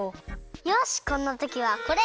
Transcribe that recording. よしこんなときはこれ！